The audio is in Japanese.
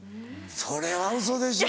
それはウソでしょ。